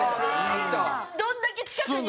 どれだけ近くに。